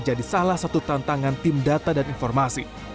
salah satu tantangan tim data dan informasi